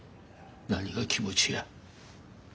何が気持ちや。